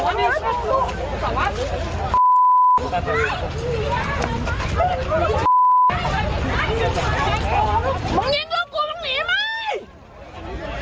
มึงยิงลูกกูมึงหนีไหม